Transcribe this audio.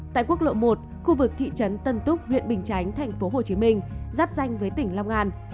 tại quốc lộ một khu vực thị trấn tân túc huyện bình chánh thành phố hồ chí minh giáp danh với tỉnh long an